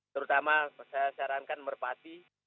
terutama saya sarankan merpati